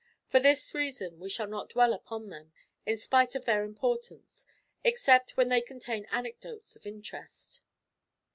For this reason we shall not dwell upon them, in spite of their importance, except when they contain anecdotes of interest.